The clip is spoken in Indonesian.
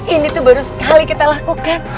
ini tuh baru sekali kita lakukan